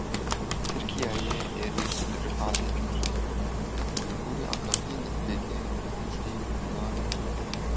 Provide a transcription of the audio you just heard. Tirkiyeyê êrişî Til Rifetê kir û li gorî agahiyên destpêkê kuştî û birîndar hene.